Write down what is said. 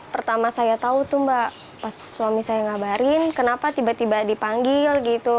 pertama saya tahu tuh mbak pas suami saya ngabarin kenapa tiba tiba dipanggil gitu